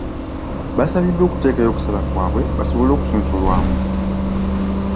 Baasabiddwa okuteekayo okusaba kwabwe basobole okusunsulwamu.